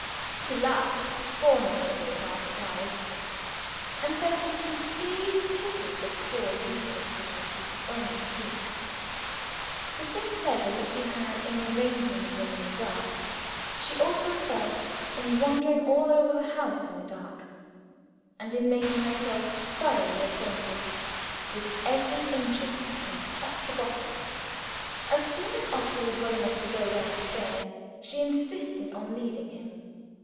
She laughed scornfully at our surprise, and said she sincerely pitied the poor useless people who could only see! The same pleasure which she had in arranging the room in the dark she also felt in wandering all over the house in the dark, and in making herself thoroughly acquainted with every inch of it from top to bottom. As soon as Oscar was well enough to go down stairs, she insisted on leading him.